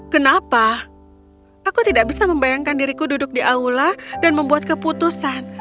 kenapa aku tidak bisa membayangkan diriku duduk di aula dan membuat keputusan